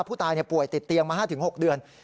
ผู้ตายป่วยติดเตียงมา๕๖เดือน